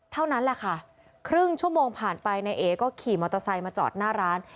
เท่านั้นแหละค่ะครึ่งชั่วโมงผ่านไปนายเอก็ขี่มอเตอร์ไซค์มาจอดหน้าร้าน